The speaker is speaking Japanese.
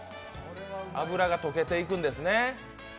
脂が溶けていくんですね。